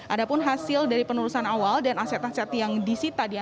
adapun hasil dari penulusan awal dan aset aset yang disita